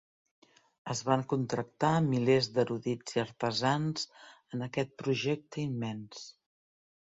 Es van contractar milers d'erudits i artesans en aquest projecte immens.